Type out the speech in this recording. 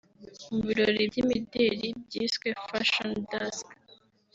Mu birori by’imideli byiswe “Fashion Dusk”